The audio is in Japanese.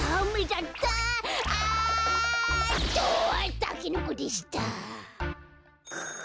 たけのこでした。